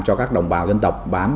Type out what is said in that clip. cho các đồng bào dân tộc bán